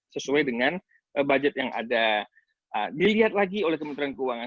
sesuai dengan budget yang ada dilihat lagi oleh kementerian keuangan